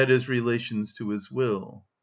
e._, relations to his will.